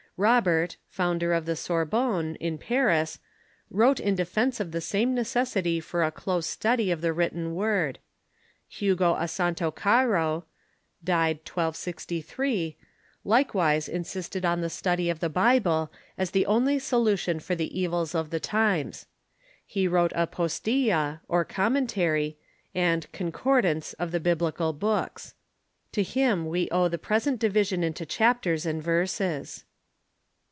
Robert, founder of the Sorbonne, in Paris, wrote in defence of the same neces sity for a close study of the written word. Hugo a Santo Caro (died 1263) likewise insisted on the study of the Bible as the only solution for the evils of the times. He wrote a Postilla or Commentary, and " Concordance " of the Biblical books. To him we owe the present division into chapters and verses.